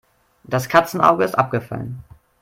Das Katzenauge ist abgefallen.